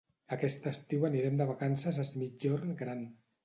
Aquest estiu anirem de vacances a Es Migjorn Gran.